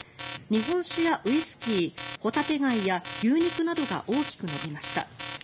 日本酒やウイスキーホタテガイや牛肉などが大きく伸びました。